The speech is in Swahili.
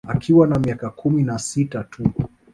Akiwa na miaka kumi na sita tu